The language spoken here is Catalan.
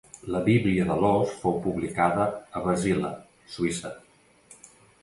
La Bíblia de l'Ós fou publicada a Basila, Suïssa.